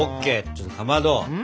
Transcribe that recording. ちょっとかまど。